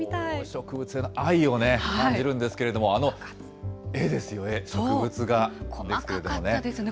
植物への愛を感じるんですけれども、あの絵ですよ、絵、植物細かかったですね。